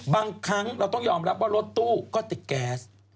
บางครั้งเราต้องยอมรับว่ารถตู้ก็ติดแก๊ส